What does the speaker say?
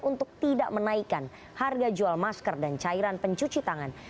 untuk tidak menaikkan harga jual masker dan cairan pencuci tangan